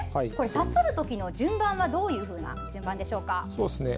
さするときの順番はどういう順番でしょうか。